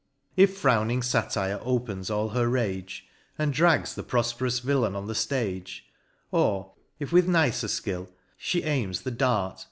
If frowning Satire opens all her rage, And drags the profperous villain on the flage ; Or if with nicer fkill, fhe aims the dart.